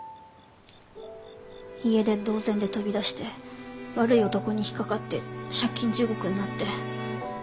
家出同然で飛び出して悪い男に引っ掛かって借金地獄になって。